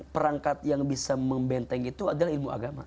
perangkat yang bisa membenteng itu adalah ilmu agama